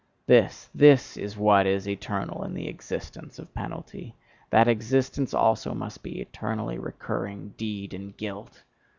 This, this is what is eternal in the 'existence' of penalty, that existence also must be eternally recurring deed and guilt!